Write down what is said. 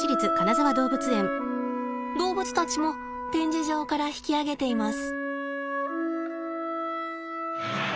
動物たちも展示場から引き揚げています。